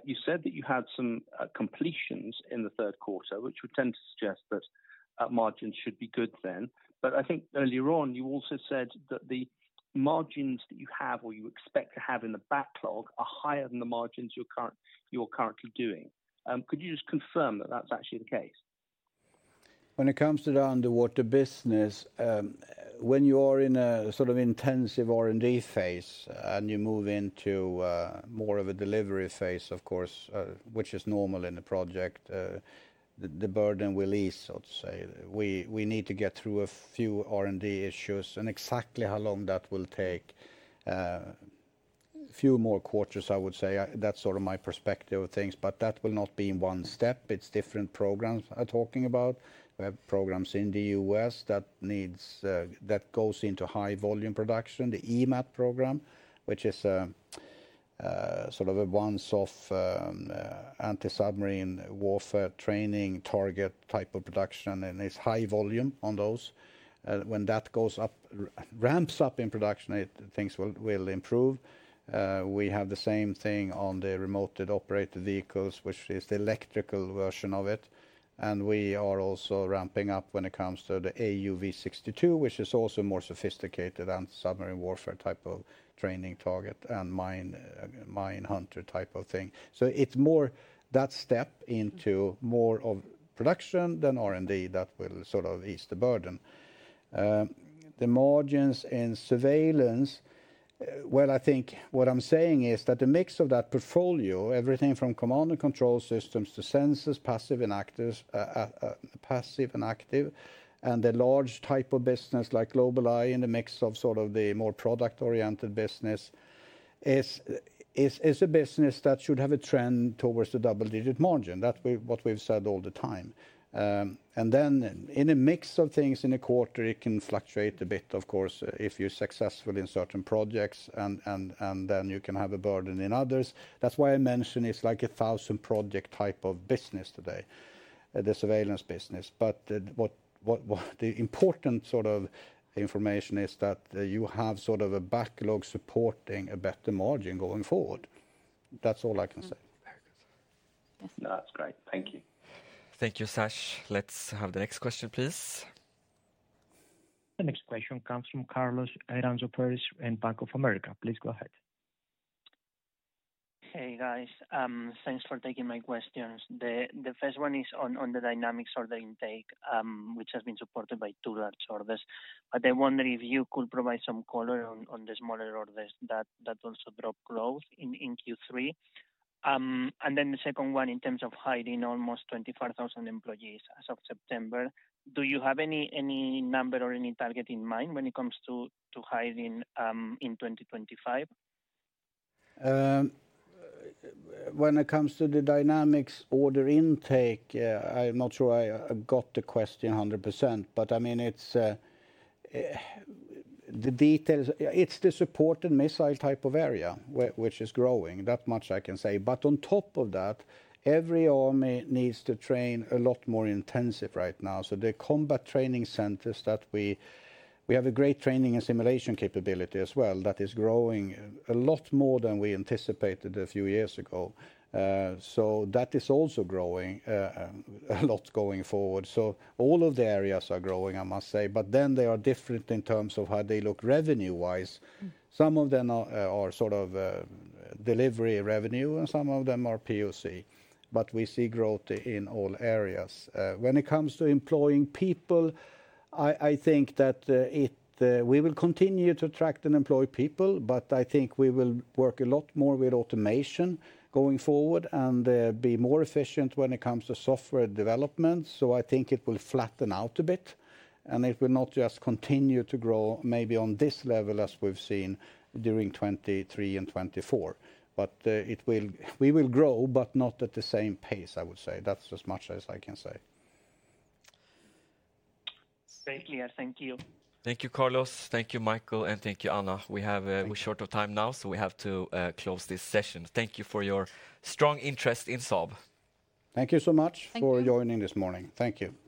[SPEAKER 10] You said that you had some completions in the third quarter, which would tend to suggest that margins should be good then. But I think earlier on, you also said that the margins that you have or you expect to have in the backlog are higher than the margins you're currently doing. Could you just confirm that that's actually the case?
[SPEAKER 2] When it comes to the underwater business, when you are in a sort of intensive R&D phase, and you move into more of a delivery phase, of course, which is normal in a project, the burden will ease, I would say. We need to get through a few R&D issues, and exactly how long that will take, few more quarters, I would say. That's sort of my perspective of things, but that will not be in one step. It's different programs I talking about. We have programs in the U.S. that needs that goes into high volume production. The EMATT program, which is sort of a one-off anti-submarine warfare training target type of production, and it's high volume on those. When that goes up, ramps up in production, things will improve. We have the same thing on the remotely operated vehicles, which is the electrical version of it, and we are also ramping up when it comes to the AUV62, which is also more sophisticated and submarine warfare type of training target and mine hunter type of thing. So it's more that step into more of production than R&D that will sort of ease the burden. The margins in Surveillance, well, I think what I'm saying is that the mix of that portfolio, everything from command and control systems to sensors, passive and active, and the large type of business, like GlobalEye, in the mix of sort of the more product-oriented business, is a business that should have a trend towards the double-digit margin. That what we've said all the time. And then in a mix of things in a quarter, it can fluctuate a bit, of course, if you're successful in certain projects, and then you can have a burden in others. That's why I mention it's like a thousand-project type of business today, the Surveillance business. But the important sort of information is that you have sort of a backlog supporting a better margin going forward. That's all I can say.
[SPEAKER 10] Very good. No, that's great. Thank you.
[SPEAKER 1] Thank you, Sash. Let's have the next question, please.
[SPEAKER 4] The next question comes from Carlos Iranzo Peris in Bank of America. Please go ahead.
[SPEAKER 11] Hey, guys. Thanks for taking my questions. The first one is on the Dynamics order intake, which has been supported by two large orders. But I wonder if you could provide some color on the smaller orders that also drove growth in Q3. And then the second one, in terms of hiring almost 24,000 employees as of September, do you have any number or any target in mind when it comes to hiring in 2025?
[SPEAKER 2] When it comes to the Dynamics order intake, I'm not sure I got the question a 100%, but, I mean, it's the details. It's the support and missile type of area which is growing. That much I can say. But on top of that, every army needs to train a lot more intensive right now, so the combat training centers we have a great training and simulation capability as well that is growing a lot more than we anticipated a few years ago. So that is also growing a lot going forward. So all of the areas are growing, I must say, but then they are different in terms of how they look revenue-wise.
[SPEAKER 3] Mm-hmm.
[SPEAKER 2] Some of them are sort of delivery revenue, and some of them are POC, but we see growth in all areas. When it comes to employing people, I think that it. We will continue to attract and employ people, but I think we will work a lot more with automation going forward, and be more efficient when it comes to software development, so I think it will flatten out a bit, and it will not just continue to grow, maybe on this level as we've seen during 2023 and 2024. But we will grow, but not at the same pace, I would say. That's as much as I can say.
[SPEAKER 11] Thank you.
[SPEAKER 1] Thank you, Carlos, thank you, Micael, and thank you, Anna. We're short of time now, so we have to close this session. Thank you for your strong interest in Saab.
[SPEAKER 2] Thank you so much-
[SPEAKER 3] Thank you...
[SPEAKER 2] for joining this morning. Thank you.